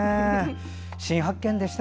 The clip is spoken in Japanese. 新発見でした。